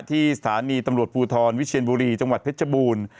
ที่สถานีตำรวจภูทรวิเชียนบุรีจังหวัดเพชรบูรณ์